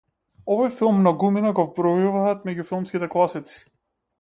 Овој филм многумина го вбројуваат меѓу филмските класици.